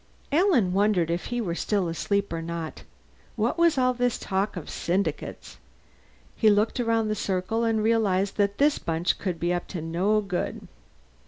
Alan wondered if he were still asleep or not. What was all this talk of syndicates? He looked round the circle, and realized that this bunch could be up to no good.